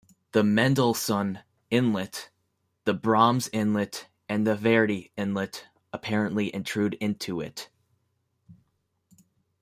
The Mendelssohn Inlet, the Brahms Inlet and the Verdi Inlet apparently intrude into it.